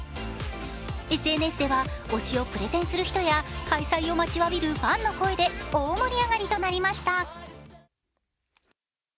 ＳＮＳでは推しをプレゼンする人や開催を待ちわびるファンの声で大盛り上がりとなりました。